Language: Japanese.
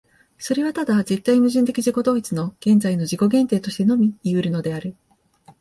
それはただ絶対矛盾的自己同一の現在の自己限定としてのみいい得るのである。